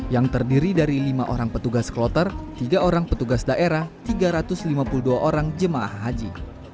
yang terdiri dari lima orang petugas kloter tiga orang petugas daerah tiga ratus lima puluh dua orang jemaah haji